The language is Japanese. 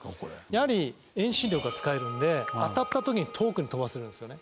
やはり遠心力が使えるんで当たった時に遠くに飛ばせるんですよね。